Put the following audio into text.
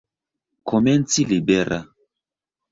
Komenci libera.